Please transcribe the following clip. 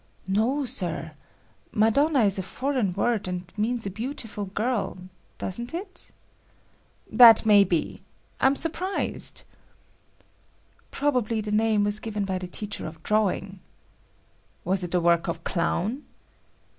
"No, Sir. Madonna is a foreign word and means a beautiful girl, doesn't it?" "That may be. I'm surprised." "Probably the name was given by the teacher of drawing." "Was it the work of Clown?"